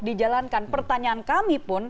dijalankan pertanyaan kami pun